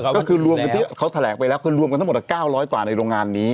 ก็คือเขาแหลกไปแล้วก็รวมด้านหมดกับ๙๐๐กว่าในโรงงานนี้